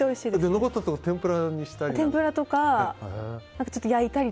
残ったら天ぷらにしたり？